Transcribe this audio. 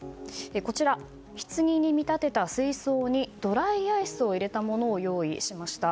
こちら、棺に見立てた水槽にドライアイスを入れたものを用意しました。